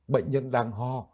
bệnh nhân đang ho